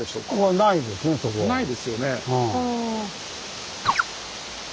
ないですよね。